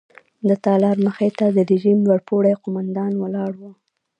د تالار مخې ته د تېر رژیم لوړ پوړي قوماندان ولاړ وو.